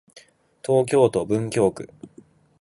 東京都文京区